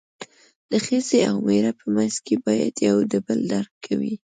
د ښځې او مېړه په منځ کې باید یو د بل درک وي.